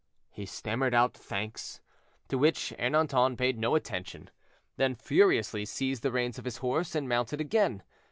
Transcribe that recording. He stammered out thanks, to which Ernanton paid no attention, then furiously seized the reins of his horse and mounted again.